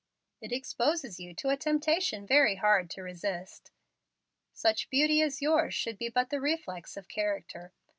"It exposes you to a temptation very hard to resist. Such beauty as yours should be but the reflex of character.